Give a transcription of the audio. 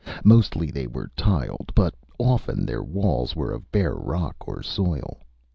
Mostly they were tiled, but often their walls were of bare rock or soil.